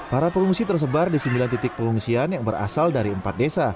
para pengungsi tersebar di sembilan titik pengungsian yang berasal dari empat desa